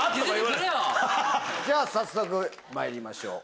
じゃあ早速まいりましょう。